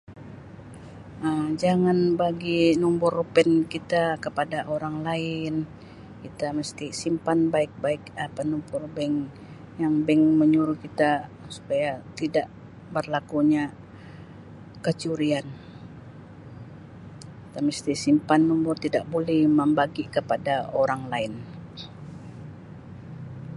Um jangan bagi nombor pin kita kepada orang lain, kita mesti simpan baik-baik apa nombor bank, yang bank menyuruh kita supaya tidak berlakunya kecurian. kita mesti simpan nombor tidak boleh membagi kepada orang lain.